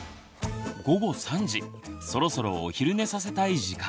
午後３時そろそろお昼寝させたい時間。